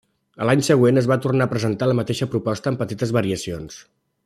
A l'any següent es va tornar a presentar la mateixa proposta amb petites variacions.